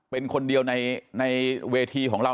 เป็นคนเดียวในเวทีของเรา